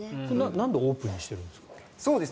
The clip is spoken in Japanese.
なんでオープンにしてるんですか？